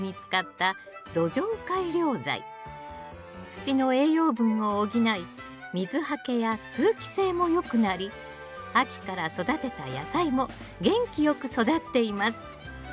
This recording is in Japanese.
土の栄養分を補い水はけや通気性も良くなり秋から育てた野菜も元気よく育っています